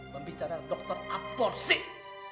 membicara dokter apa sih